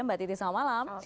mbak titi selamat malam